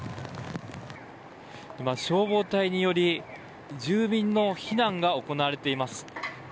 消防隊により住民の避難が行われています。